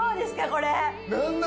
これ。